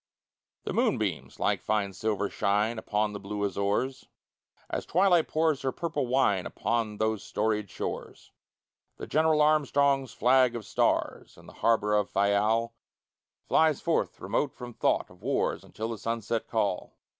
_ The moonbeams, like fine silver, shine Upon the blue Azores, As twilight pours her purple wine Upon those storied shores; The General Armstrong's flag of stars In the harbor of Fayal Flies forth, remote from thought of wars, Until the sunset call.